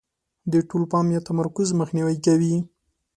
د ټول پام یا تمرکز مخنیوی کوي.